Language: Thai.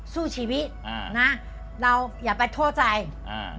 สู้ชีวิตอ่านะเราอย่าไปโทษใจอ่า